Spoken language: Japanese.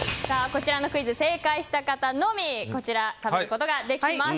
こちらのクイズ、正解した方のみ食べることができます。